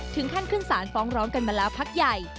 ขึ้นสารฟ้องร้องกันมาแล้วพักใหญ่